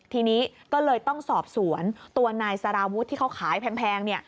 ทีนี้ก็เลยต้องสอบสวนตัวนายสารวุฒิที่เขาขายแพง